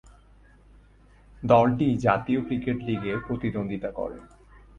দলটি জাতীয় ক্রিকেট লিগে প্রতিদ্বন্দ্বিতা করে।